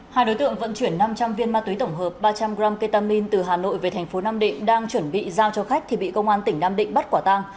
hai đối tượng vận chuyển năm trăm linh viên ma túy tổng hợp ba trăm linh g ketamin từ hà nội về thành phố nam định đang chuẩn bị giao cho khách thì bị công an tỉnh nam định bắt quả tang